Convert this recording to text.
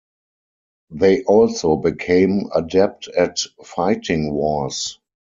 They also became adept at fighting wars.